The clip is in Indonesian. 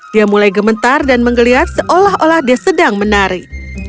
dia mulai gementar dan menggeliat seolah olah dia sedang menari